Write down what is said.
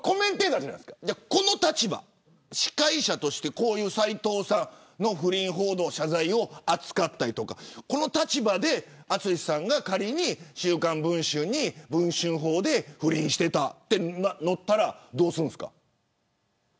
司会者として斉藤さんの不倫報道謝罪を扱ったりとかこの立場で淳さんが仮に週刊文春に文春砲で不倫していたと載ったらどうするんですか。